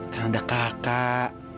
kan ada kakak